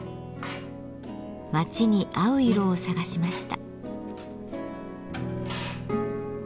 街に合う色を探しました。